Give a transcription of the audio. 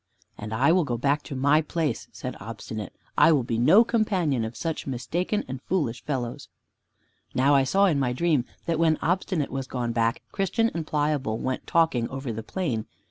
"And I will go back to my place," said Obstinate. "I will be no companion of such mistaken and foolish fellows." Now I saw in my dream that when Obstinate was gone back, Christian and Pliable went talking over the plain.